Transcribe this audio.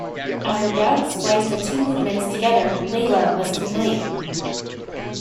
After Dowd spliced the two movements together, "Layla" was complete.